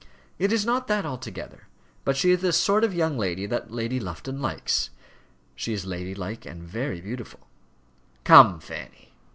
"It is not that altogether: but she is the sort of young lady that Lady Lufton likes. She is ladylike and very beautiful " "Come, Fanny!"